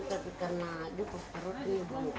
tapi karena dia perutnya bengkak